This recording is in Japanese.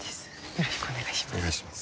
よろしくお願いします。